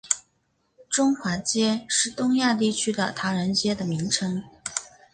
中华街是东亚地区的唐人街的名称。